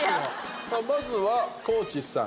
まずは高地さん。